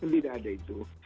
tidak ada itu